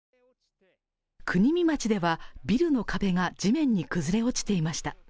国見町では、ビルの壁が地面に崩れ落ちていました。